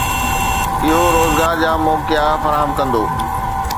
اهو روزگار جا موقعا فراهم ڪندو